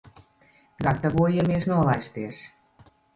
Gatavojamies nolaisties.